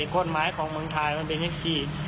กฎหมายของเมืองไทยมันเป็นอย่างสิ